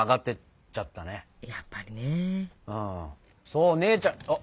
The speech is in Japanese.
そう姉ちゃんあ！